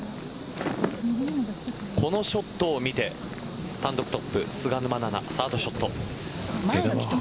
このショットを見て単独トップ、菅沼菜々サードショット。